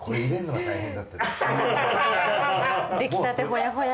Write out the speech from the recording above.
出来立てほやほや。